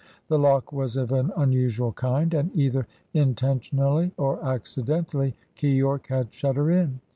The lock was of an unusual kind, and either intentionally or accidentally Keyork had shut her in.